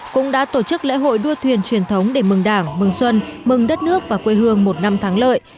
cũng đã tổ chức lễ hội đua thuyền truyền thống để mừng đảng mừng xuân mừng đất nước và quê hương một năm thắng lợi